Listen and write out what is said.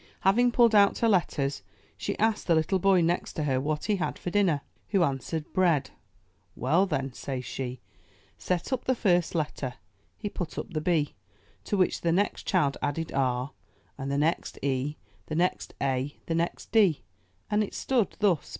Having pulled out her letters, she asked the little boy next her what he had for dinner. Who answered, ''Bread. "Well, then,'* says she, "set up the first letter. He put up the B, to which the next child added r, and the next e, the next a, the next d, and it stood thus.